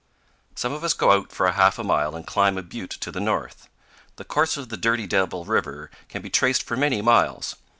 Some of us go out for half a mile and climb a butte to the north. The course of the Dirty Devil River can be traced for many miles.